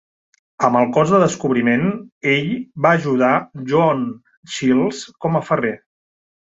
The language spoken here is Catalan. Amb el Cos de Descobriment, ell va ajudar John Shields com a ferrer.